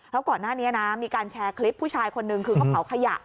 แล้วก่อนหน้านี้นะมีการแชร์คลิปผู้ชายคนนึงคือเขาเผาขยะ